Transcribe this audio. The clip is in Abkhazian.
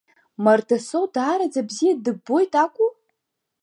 Мардасоу даараӡа бзиа дыббоит акәу?!